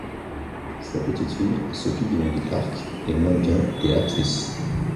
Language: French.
Sa petite-fille, Sophie Kennedy Clark, est mannequin et actrice.